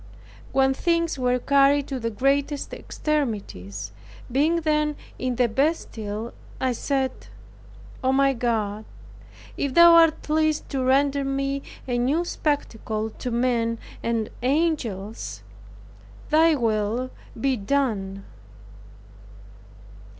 When things were carried to the greatest extremities, being then in the Bastile, I said, "O, my God, if thou art pleased to render me a new spectacle to men and angels, Thy holy will be done!"